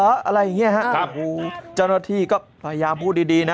อะไรอย่างเงี้ยฮะโอ้โหเจ้าหน้าที่ก็พยายามพูดดีดีนะ